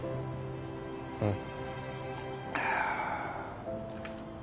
うん。